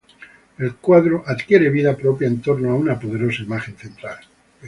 El cuadro adquiere vida propia, en torno a una poderosa imagen central.